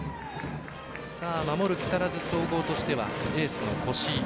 守る木更津総合としてはエースの越井。